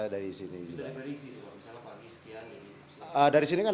bisa diprediksi misalnya pagi sekian ini